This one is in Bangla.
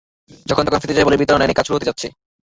যখন তখন ফেটে যায় বলে বিতরণ লাইনের কাজ শুরু করতে হচ্ছে।